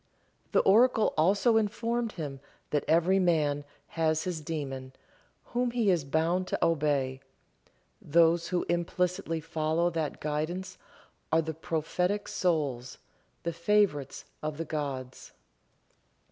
The oracle also informed him that every man had his daemon, whom he is bound to obey; those who implicitly follow that guidance are the prophetic souls, the favorites of the gods.